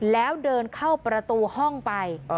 แล้วเดินเข้าประตูห้องไป